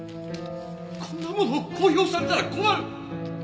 こんなもの公表されたら困る！